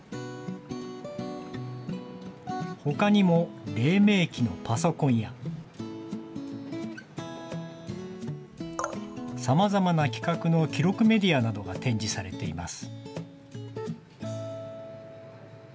ほかにも、れい明期のパソコンや、さまざまな規格の記録メディアなどが展示されています。